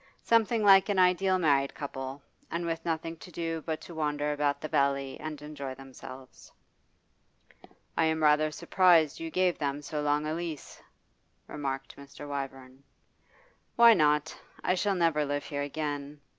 Something like an ideal married couple, and with nothing to do but to wander about the valley and enjoy themselves.' 'I am rather surprised you gave them so long a lease,' remarked Mr. Wyvern. 'Why not? I shall never live here again.